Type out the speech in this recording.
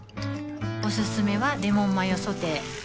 おすすめはレモンマヨソテー